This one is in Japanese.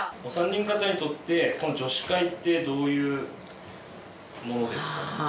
お三人方にとってこの女子会ってどういうものですか？